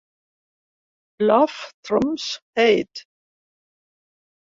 "Love trumps hate".